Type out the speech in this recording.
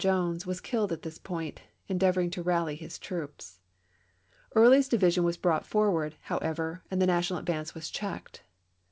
Jones p le. was killed at this point, endeavoring to rally his troops. Early's division was brought forward, however, and the National advance was checked.